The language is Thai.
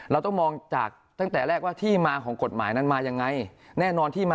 เราต้องมองจากตั้งแต่แรกว่าที่มาของกฎหมายนั้นมาอย่างไร